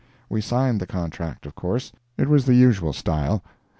We signed the contract, of course. It was the usual style.